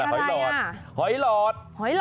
หอยหลอดหอยหลอด